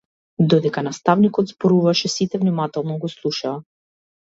Додека наставникот зборуваше сите внимателно го слушаа.